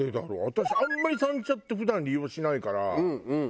私あんまり三茶って普段利用しないから。